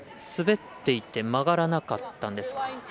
滑っていて曲がらなかったんですか。